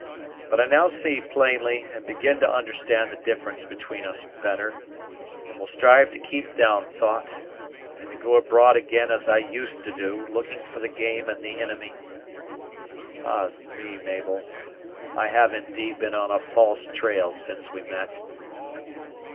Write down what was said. But I now see plainly, and begin to understand the difference between us better, and will strive to keep down thought, and to go abroad again as I used to do, looking for the game and the inimy. Ah's me, Mabel! I have indeed been on a false trail since we met."